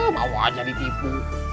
mau aja ditipu